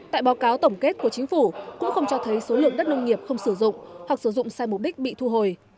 tại báo cáo tổng kết của chính phủ cũng không cho thấy số lượng đất nông nghiệp không sử dụng hoặc sử dụng sai mục đích bị thu hồi